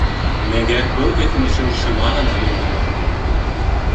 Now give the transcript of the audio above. Мәгәр был эҫенешеү шыма ғына булманы.